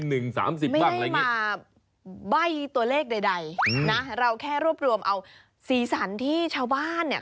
คือเราเนี่ยไม่ได้มาใบ้ตัวเลขใดนะเราแค่รวบรวมเอาสีสันที่ชาวบ้านเนี่ย